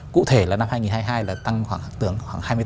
cụ thể là năm hai nghìn hai mươi hai là tăng khoảng hai mươi tám